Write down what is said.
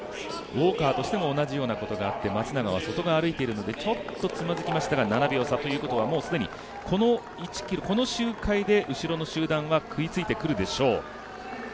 ウオーカーとしても同じようなことがあって、松永は外側を歩いているのでちょっとつまずきましたが７秒差ということはもう既にこの周回で後ろの集団が食いついてくるでしょう。